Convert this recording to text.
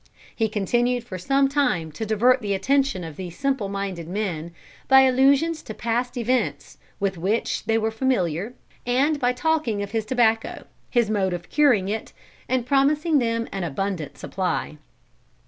He continued for some time to divert the attention of these simple minded men, by allusions to past events with which they were familiar, and by talking of his tobacco, his mode of curing it, and promising them an abundant supply.